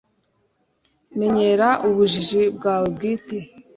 menyera ubujiji bwawe bwite